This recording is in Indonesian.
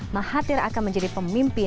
mahathir akan menjadi pemimpin